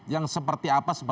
yang seperti apa